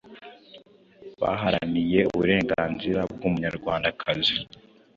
baharaniye uburenganzira bw’Umunyarwandakazi.